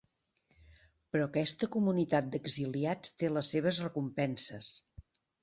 Però aquesta comunitat d'exiliats té les seves recompenses.